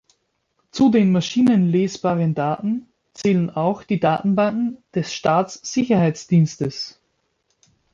Zu den maschinenlesbaren Daten zählen auch die Datenbanken des Staatssicherheitsdienstes.